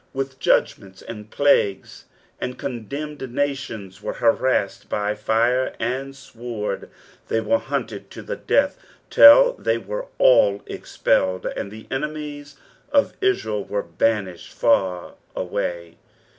With judgments and plagues the condemned nations wete harassed, by fire and sword they were hunted to the death, till they were ^1 uxpellcd, and the enemies of Israel were banished far away.